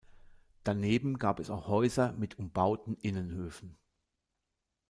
Daneben gab es auch Häuser mit umbauten Innenhöfen.